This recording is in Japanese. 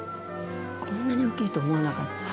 こんなに大きいと思わなかった。